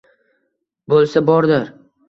Bo‘lsa bordir.